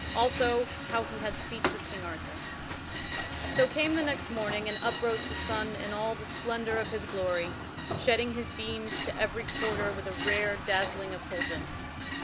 Also how he had speech with King Arthur._ So came the next morning, and uprose the sun in all the splendor of his glory, shedding his beams to every quarter with a rare dazzling effulgence.